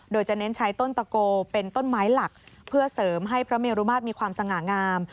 โดยจะเน้นใช้ต้นตะโกเป็นต้นไม้หลักเพื่อเสริมให้พระเมรุมาตรมีความสง่างาม